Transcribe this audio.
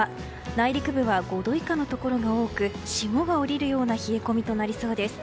内陸部は５度以下のところが多く霜が降りるような冷え込みとなりそうです。